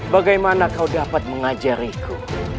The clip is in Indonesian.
bagaimana kau dapat mengajariku